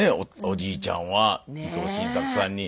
おじいちゃんは伊藤新作さんに。